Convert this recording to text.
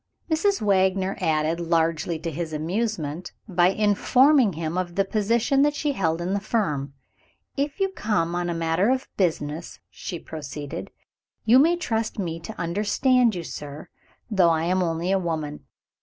Mrs. Wagner added largely to his amazement, by informing him of the position that she held in the firm. "If you come on a matter of business," she proceeded, "you may trust me to understand you, sir, though I am only a woman.